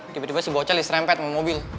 tiba tiba si bocah diserempet sama mobil